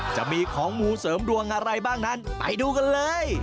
จะมีของมูเสริมดวงอะไรบ้างนั้นไปดูกันเลย